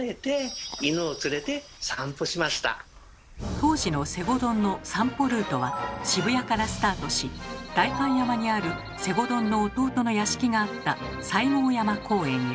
当時の西郷どんの散歩ルートは渋谷からスタートし代官山にある西郷どんの弟の屋敷があった西郷山公園へ。